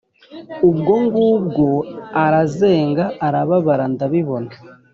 Ubwo ngubwo arazenga Arababara ndabibona